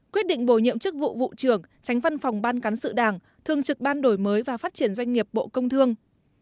quyết định bổ nhiệm chức vụ vụ trưởng tránh văn phòng ban cán sự đảng thương trực ban đổi mới và phát triển doanh nghiệp bộ công thương